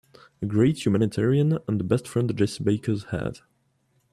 A great humanitarian and the best friend the Jessie Bakers have.